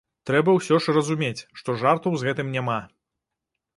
Трэба ўсё ж разумець, што жартаў з гэтым няма.